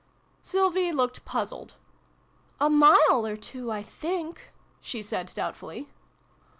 Sylvie looked puzzled. " A mile or two, I think" she said doubtfully.